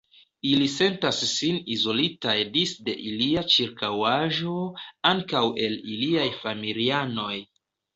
Ili sentas sin izolitaj disde ilia ĉirkaŭaĵo, ankaŭ el iliaj familianoj.